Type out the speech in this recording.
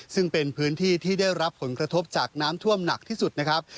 ซึ่งเป็นพื้นที่ที่ได้รับผลกระทบจากน้ำท่วมหนักที่สุดนะครับ